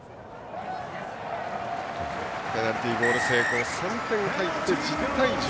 ペナルティーゴール成功３点入って１０対１０。